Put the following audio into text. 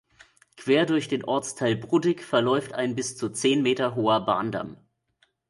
Quer durch den Ortsteil Bruttig verläuft ein bis zu zehn Meter hoher Bahndamm.